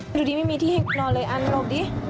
อยู่ดีไม่มีที่ให้นอนเลยอันหลบดิ